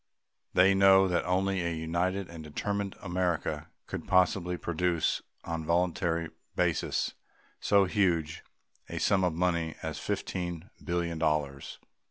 They know that only a united and determined America could possibly produce on a voluntary basis so huge a sum of money as fifteen billion dollars.